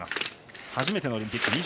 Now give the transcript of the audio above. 初めてのオリンピック。